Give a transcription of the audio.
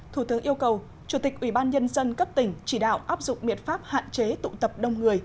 thủ tướng yêu cầu chủ tịch ubnd cấp tỉnh chỉ đạo áp dụng miệt pháp hạn chế tụ tập đông người